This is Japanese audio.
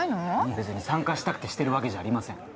別に参加したくてしてる訳じゃありません。